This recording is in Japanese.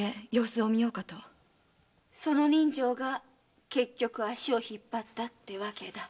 その人情が結局足を引っ張ったってわけだ。